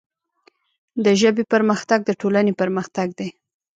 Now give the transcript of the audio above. د ژبې پرمختګ د ټولنې پرمختګ دی.